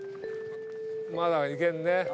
まだいけるね。